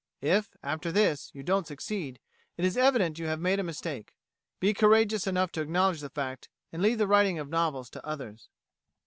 If, after this, you don't succeed, it is evident you have made a mistake. Be courageous enough to acknowledge the fact, and leave the writing of novels to others.